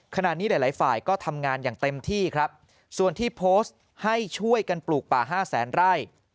ขณะนี้หลายหลายฝ่ายก็ทำงานอย่างเต็มที่ครับส่วนที่โพสต์ให้ช่วยกันปลูกป่า๕แสนไร่